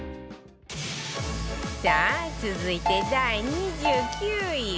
さあ続いて第２９位は